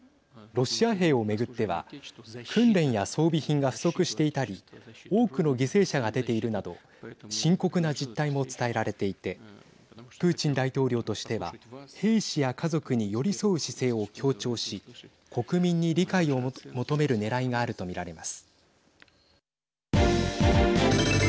ロシア兵を巡っては訓練や装備品が不足していたり多くの犠牲者が出ているなど深刻な実態も伝えられていてプーチン大統領としては兵士や家族に寄り添う姿勢を強調し国民に理解を求めるねらいがあると見られます。